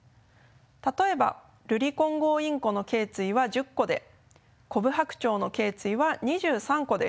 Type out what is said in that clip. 例えばルリコンゴウインコのけい椎は１０個でコブハクチョウのけい椎は２３個です。